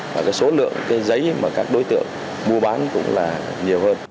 và số lượng giấy mà các đối tượng mua bán cũng là nhiều hơn